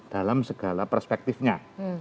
dalam segala perspektifnya